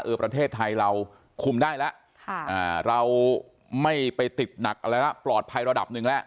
ประเทศไทยเราคุมได้แล้วเราไม่ไปติดหนักอะไรแล้วปลอดภัยระดับหนึ่งแล้ว